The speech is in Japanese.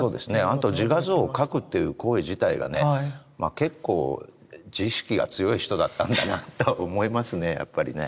あと自画像を描くという行為自体がね結構自意識が強い人だったんだなと思いますねやっぱりね。